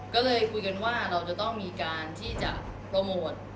ก็เลยคุยกันว่าเราจะต้องมีการที่จะโปรโมท